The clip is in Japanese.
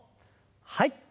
はい。